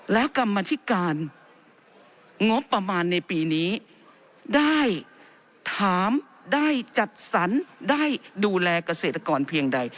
แล้วกรรมธิการงบประมาณในปีนี้ได้ถามได้จัดสรรได้ดูแลเกษตรกรเพียงใด